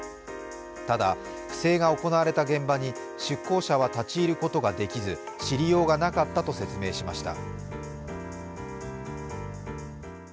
ただ、不正が行われた現場に出向者は立ち入ることができず、知りようがなかったと説明しました。